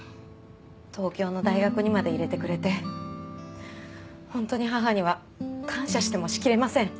東京の大学にまで入れてくれて本当に母には感謝してもしきれません。